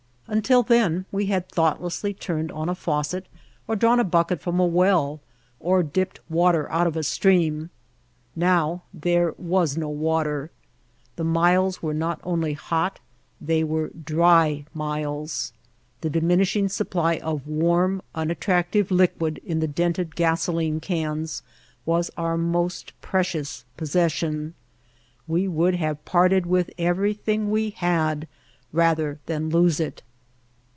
Until then we had thoughtlessly turned on a faucet, or drawn a bucket from a well, or dipped water out of a stream. Now there was no water. The miles were not only hot, they were The Dry Camp dry miles. The diminishing supply of warm, unattractive liquid in the dented gasoline cans was our most precious possession. We would have parted with everything we had, rather than lose it.